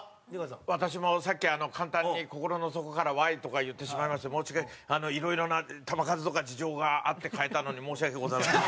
私もさっき簡単に「心の底からＷＨＹ？」とか言ってしまいまして申し訳いろいろな球数とか事情があって代えたのに申し訳ございません。